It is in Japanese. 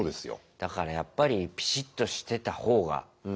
だからやっぱりピシッとしてた方がいいよね絶対。